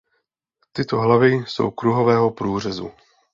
Tyto hlavy jsou kruhového průřezu.